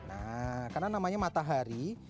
nah karena namanya matahari